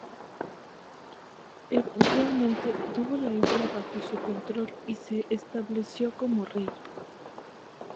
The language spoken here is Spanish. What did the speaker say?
Eventualmente tuvo la isla bajo su control y se estableció como rey.